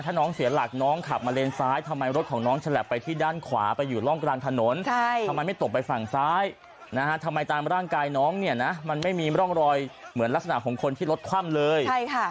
ถ้าน้องเสียหลักน้องขับมาเลนซ้ายทำไมรถของน้องฉลับไปที่ด้านขวาไปอยู่ร่องกลางถนนทำไมไม่ตกไปฝั่งซ้ายนะฮะทำไมตามร่างกายน้องเนี่ยนะมันไม่มีร่องรอยเหมือนลักษณะของคนที่รถคว่ำเลย